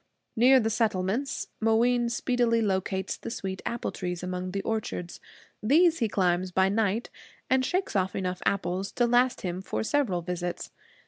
Near the settlements Mooween speedily locates the sweet apple trees among the orchards. These he climbs by night, and shakes off enough apples to last him for several visits.